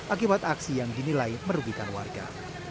akibat aksi yang dinilai merugikan warga